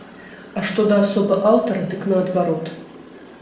А што да асобы аўтара, дык наадварот.